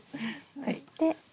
そして。